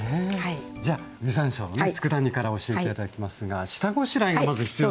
じゃ実山椒のつくだ煮から教えて頂きますが下ごしらえがまず必要ですね。